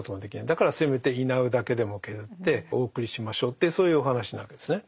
だからせめてイナウだけでも削ってお送りしましょうってそういうお話なわけですね。